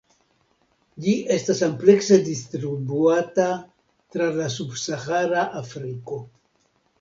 Ĝi estas amplekse distribuata tra la subsahara Afriko.